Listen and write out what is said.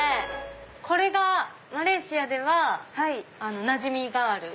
これがマレーシアではなじみがある？